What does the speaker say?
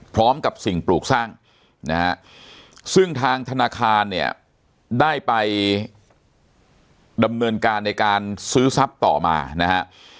พร้อมกับสิ่งปลูกสร้างนะฮะซึ่งทางธนาคารเนี่ยได้ไปดำเนินการในการซื้อทรัพย์ต่อมานะฮะ